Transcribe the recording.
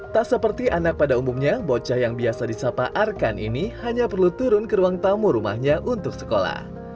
tak seperti anak pada umumnya bocah yang biasa disapa arkan ini hanya perlu turun ke ruang tamu rumahnya untuk sekolah